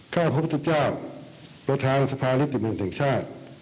ข้าพระพุทธเจ้าประธานสภาริดิบัญชาติ